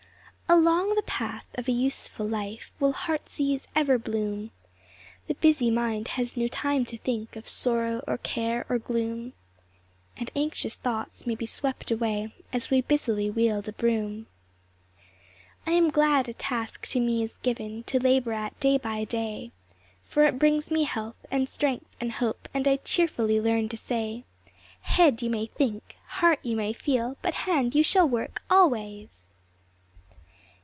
Along the path of a useful life Will heart's ease ever bloom; The busy mind has no time to think Of sorrow, or care, or gloom; And anxious thoughts may be swept away As we busily wield a broom. I am glad a task to me is given To labor at day by day; For it brings me health, and strength, and hope, And I cheerfully learn to say 'Head, you may think; heart, you may feel; But hand, you shall work always!'